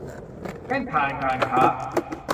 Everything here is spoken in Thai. เส้นทางการค้า